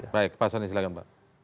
baik pak soni silakan mbak